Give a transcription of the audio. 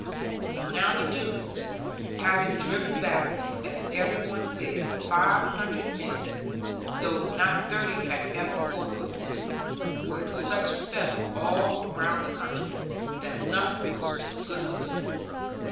For now the Doones, having driven back, as every one said, five hundred men though not thirty had ever fought with them were in such feather all round the country, that nothing was too good for them.